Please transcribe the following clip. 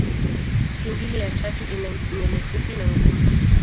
Pingili ya tatu ina nywele fupi na ngumu.